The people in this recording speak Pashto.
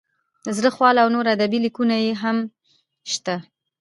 د زړه خواله او نور ادبي لیکونه یې هم شته.